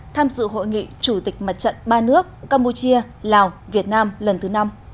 tham dự hội nghị chủ tịch mặt trận ba nước campuchia lào việt nam lần thứ năm